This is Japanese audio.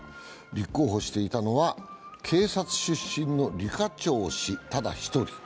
立候補していたのは警察出身の李家超氏ただ一人。